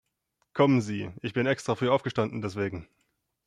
Kommen Sie, ich bin extra früh aufgestanden deswegen!